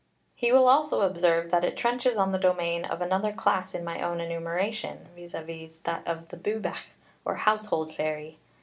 He will also observe that it trenches on the domain of another class in my own enumeration, viz., that of the Bwbach, or household fairy.